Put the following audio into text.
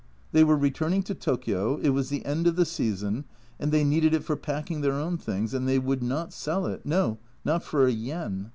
They were returning to Tokio, it was the end of the season, and they needed it for packing their own things, and they would not sell it no, not for a yen.